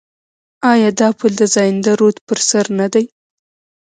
آیا دا پل د زاینده رود پر سر نه دی؟